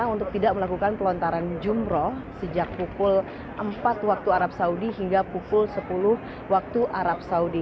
untuk tidak melakukan pelontaran jumroh sejak pukul empat waktu arab saudi hingga pukul sepuluh waktu arab saudi